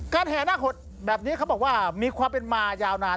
แห่นาคหดแบบนี้เขาบอกว่ามีความเป็นมายาวนาน